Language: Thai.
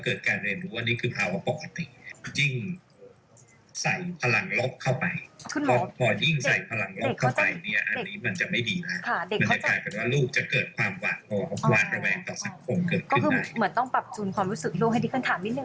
เกิดขึ้นได้ถ้าเกิดไม่มีมันขึ้นอยู่กับความดูแรงและก็ความถี่